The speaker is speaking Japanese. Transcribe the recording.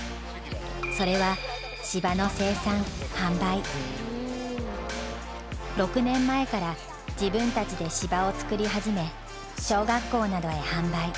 それは６年前から自分たちで芝を作り始め小学校などへ販売。